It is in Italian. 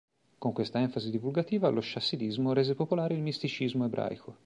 Con questa enfasi divulgativa, lo Chassidismo rese popolare il misticismo ebraico.